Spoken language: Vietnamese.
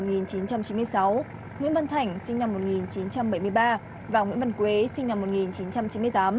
nguyễn văn thảnh sinh năm một nghìn chín trăm bảy mươi ba và nguyễn văn quế sinh năm một nghìn chín trăm chín mươi tám